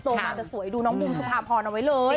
มาจะสวยดูน้องบุ๋มสุภาพรเอาไว้เลย